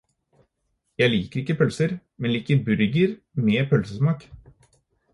Jeg liker ikke pølser, men liker burger med pølsesmak.